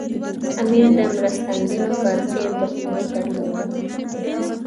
امیر د مستبدینو په څېر دښمني درلوده.